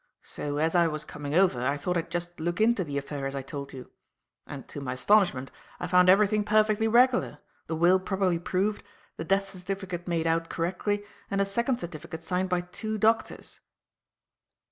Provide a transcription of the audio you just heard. So, as I was coming over, I thought I'd just look into the affair as I told you; and, to my astonishment, I found everything perfectly regular; the will properly proved, the death certificate made out correctly and a second certificate signed by two doctors."